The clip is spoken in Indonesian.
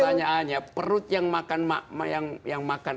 pertanyaannya perut yang makan itu pindah